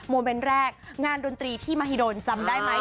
โมเมนต์แรกงานดนตรีที่มหิดลจำได้ไหม